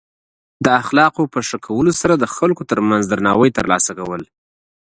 د اخلاقو په ښه کولو سره د خلکو ترمنځ درناوی ترلاسه کول.